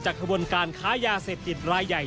ขบวนการค้ายาเสพติดรายใหญ่